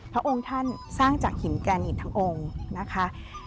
พระองค์ท่านสร้างจากหินแกนินทั้งองค์นะคะ